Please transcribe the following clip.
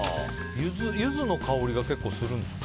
ユズの香りが結構するんですか？